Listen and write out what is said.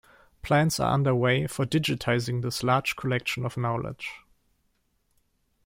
Plans are underway for digitizing this large collection of knowledge.